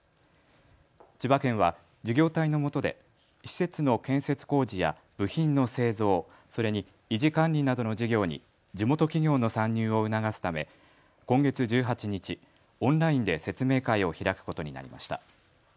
千葉県は事業体のもとで施設の建設工事や部品の製造、それに維持管理などの事業に地元企業の参入を促すため今月１８日、オンラインで説明会を開くことになりました。